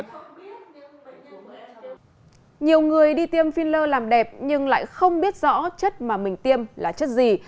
nhiều người đi tiêm filler làm đẹp nhưng lại không biết rõ chất mà mình tiêm là chất gì